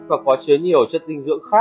và có chứa nhiều chất dinh dưỡng khác